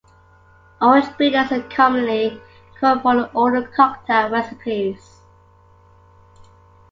Orange bitters are commonly called for in older cocktail recipes.